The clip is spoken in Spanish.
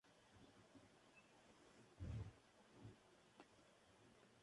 Resaltan temas como su cosmovisión, sus creencias y deidades.